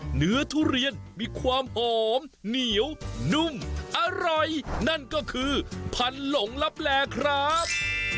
ทุเรียนมีความหอมเหนียวนุ่มอร่อยนั่นก็คือพันธุ์หลงลับแลครับ